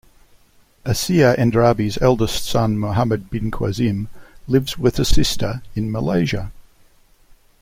Asiya Andrabi's eldest son Muhammad bin Qasim, lives with her sister in Malaysia.